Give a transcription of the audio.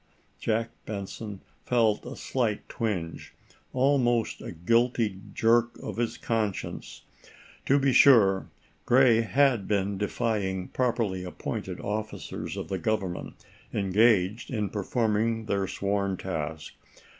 Jack Benson felt a swift twinge almost a guilty jerk of his conscience. To be sure, Gray had been defying properly appointed officers of the government engaged in performing their sworn task.